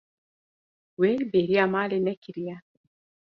We bêriya malê nekiriye.